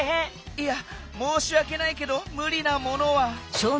いやもうしわけないけどむりなものは。え？